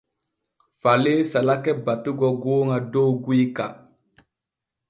Falee salake batugo gooŋa dow guyka.